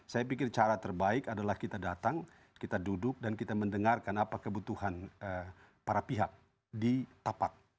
saya pikir cara terbaik adalah kita datang kita duduk dan kita mendengarkan apa kebutuhan para pihak di tapak